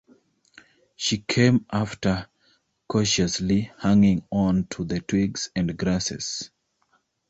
She came after cautiously, hanging on to the twigs and grasses.